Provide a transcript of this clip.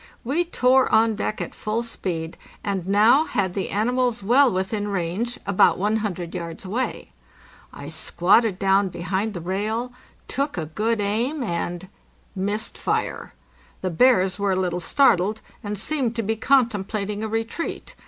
We tore on deck at full speed, and now had the animals well within range, about 100 yards away. I squatted down be hind the rail, took a good aim, and—missed fire. The bears were a little startled, and seemed to be contemplating a retreat.